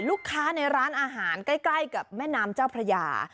ลูกค้าในร้านอาหารใกล้กับแม่น้ำเจ้าพระยา